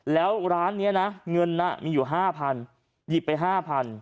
แล้วร้านนี้เงินมีอยู่๕๐๐๐บาทหยิบไป๕๐๐๐บาท